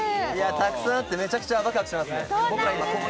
たくさんあってめちゃくちゃワクワクしますね。